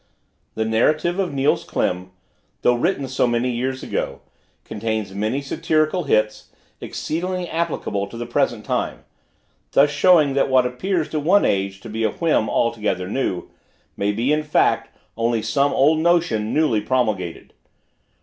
"The Narrative of Niels Klim," though written so many years ago, contains many satirical hits, exceedingly applicable to the present time; thus showing that what appears to one age to be a whim altogether new, may be, in fact, only some old notion newly promulgated.